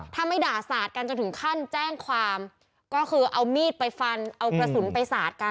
ถ้าไม่ด่าสาดกันจนถึงขั้นแจ้งความก็คือเอามีดไปฟันเอากระสุนไปสาดกัน